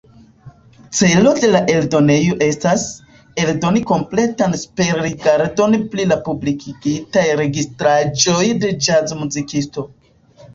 Celo de la eldonejo estas, eldoni kompletan superrigardon pri la publikigitaj registraĵoj de ĵazmuzikisto.